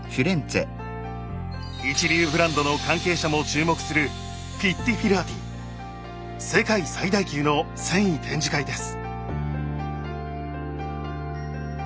一流ブランドの関係者も注目する世界最大級の繊維展示会です。